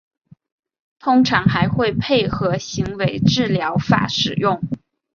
通常还会配合行为治疗法使用。